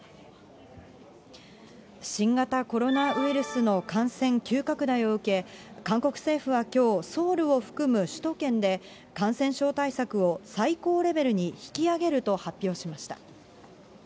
新型コロナウイルスの感染急拡大を受け、韓国政府はきょう、ソウルを含む首都圏で、感染症対策を最高レベルに引き上げると発表しました。